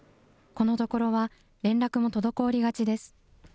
このところは連絡も滞りがちです。